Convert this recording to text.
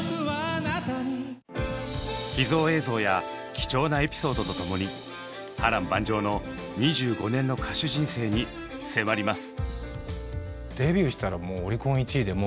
秘蔵映像や貴重なエピソードと共に波乱万丈の２５年の歌手人生に迫ります。